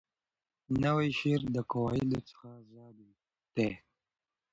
نوی شعر د قواعدو څخه آزاده دی.